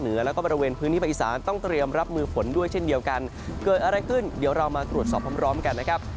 มึงฝนด้วยเช่นเดียวกันเกิดอะไรขึ้นเดี๋ยวเรามาตรวจสอบพร้อมกันนะครับ